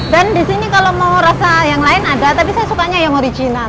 dan disini kalau mau rasa yang lain ada tapi saya sukanya yang original